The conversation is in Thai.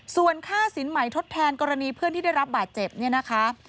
ส่วนค่าสินใหม่ทดแทนกรณีเพื่อนที่ได้รับบาดเจ็บเนี่ยนะคะ